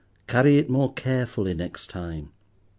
Carry it more carefully next time.